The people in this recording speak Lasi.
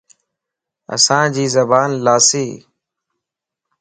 اسان جي زبان لاسيَ